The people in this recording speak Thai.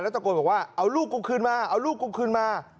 ตะโกนบอกว่าเอาลูกกูคืนมาเอาลูกกูคืนมา